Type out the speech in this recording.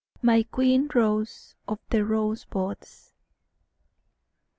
"MY QUEEN ROSE OF THE ROSEBUDS."